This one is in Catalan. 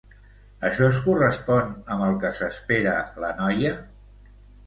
Això es correspon amb el que s'espera la noia?